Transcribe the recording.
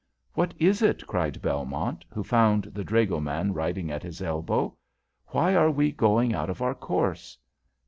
"What is it?" asked Belmont, who found the dragoman riding at his elbow. "Why are we going out of our course?"